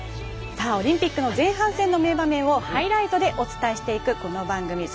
オリンピックの前半戦の名場面をハイライトでお伝えしていくこの番組。